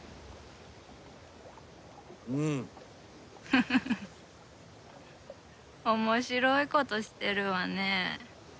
「フフフ面白いことしてるわね」